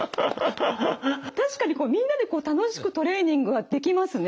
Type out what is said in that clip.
確かにみんなで楽しくトレーニングができますね。